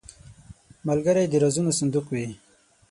ملګری د رازونو صندوق وي